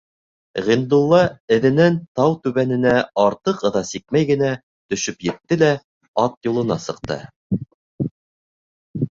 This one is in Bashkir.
Ғиндулла әҙенән тау түбәненә артыҡ ыҙа сикмәй генә төшөп етте лә ат юлына сыҡты.